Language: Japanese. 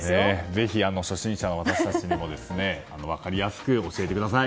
ぜひ初心者の私たちにも分かりやすく教えてください。